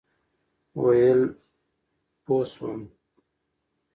ویل بوه سوم.